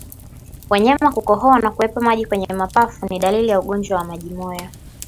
Wanyama kukohoa na kuwepo maji kwenye mapafu ni dalili ya ugonjwa wa majimoyo